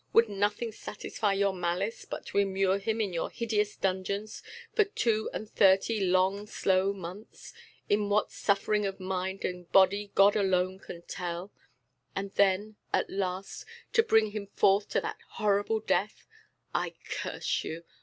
Would nothing satisfy your malice but to immure him in your hideous dungeons for two and thirty long slow months, in what suffering of mind and body God alone can tell; and then, at last, to bring him forth to that horrible death? I curse you!